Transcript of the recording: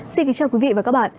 xin kính chào quý vị và các bạn